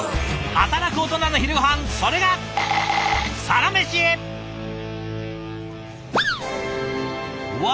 働くオトナの昼ごはんそれがうわ！